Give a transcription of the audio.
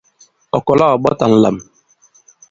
Ɔ̀ kɔ̀la ɔ̀ ɓɔ̀ta ǹlam.